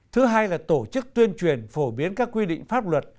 thứ hai là tổ chức tuyên truyền phổ biến các quy định pháp luật